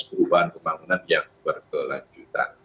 perubahan kebangunan yang berkelanjutan